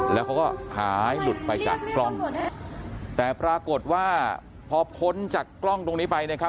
แล้วเขาก็หายหลุดไปจากกล้องแต่ปรากฏว่าพอพ้นจากกล้องตรงนี้ไปนะครับ